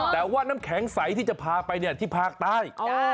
แต่ว่าน้ำแข็งใสที่จะพาไปเนี่ยที่ภาคใต้